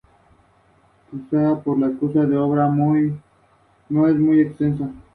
A la isla de Langkawi se puede llegar por mar y aire.